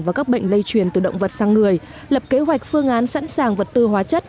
và các bệnh lây truyền từ động vật sang người lập kế hoạch phương án sẵn sàng vật tư hóa chất